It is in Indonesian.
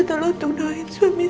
bisa tolong untuk doain suami saya